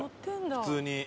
普通に。